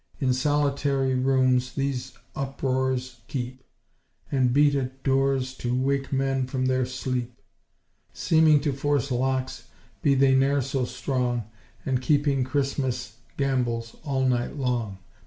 In solitarie roomes these uprores keepe, And beat at dores to wake men from their sleepe; Seeming to force locks, be they ne're so strong, And keeping Christmasse gambols all night long.